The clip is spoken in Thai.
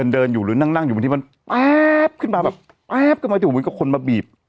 เดินอยู่หรือนั่งอยู่บนที่มันแป๊บขึ้นมาแบบแป๊บก็มีคนมาบีบ